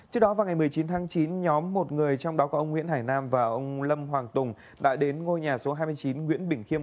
trước đó vào ngày một mươi chín tháng chín nhóm một người trong đó có ông nguyễn hải nam và ông lâm hoàng tùng đã đến ngôi nhà số hai mươi chín nguyễn bình khiêm